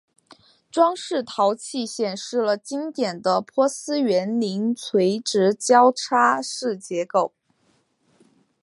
装饰陶器显示了经典的波斯园林垂直交叉式结构。